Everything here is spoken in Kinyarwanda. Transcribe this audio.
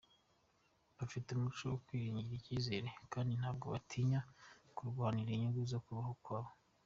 Bafite umuco wo Kwigirira icyizere kandi ntabwo batinya kurwanira inyungu no kubaho kwabo.